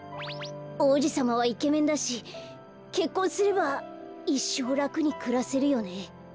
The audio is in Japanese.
おうじさまはイケメンだしけっこんすればいっしょうらくにくらせるよね。